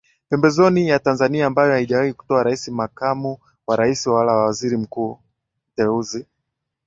pembezoni ya Tanzania ambayo haijawahi kutoa Rais Makamu wa Rais wala Waziri Mkuu Uteuzi